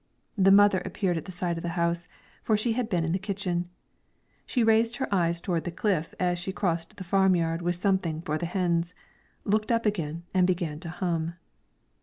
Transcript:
The mother appeared at the side of the house, for she had been in the kitchen. She raised her eyes toward the cliff as she crossed the farm yard with something for the hens, looked up again and began to hum.